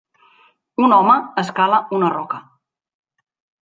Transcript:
Un home escala una roca.